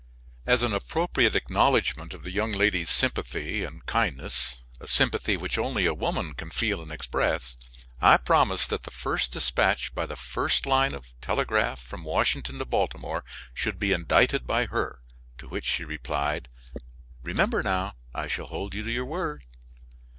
As an appropriate acknowledgment of the young lady's sympathy and kindness a sympathy which only a woman can feel and express I promised that the first dispatch by the first line of telegraph from Washington to Baltimore should be indited by her; to which she replied: 'Remember, now, I shall hold you to your word.'